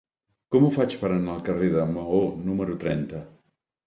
Com ho faig per anar al carrer de Maó número trenta?